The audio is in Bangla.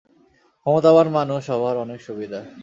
ক্ষমতাবান মানুষ হবার অনেক সুবিধা।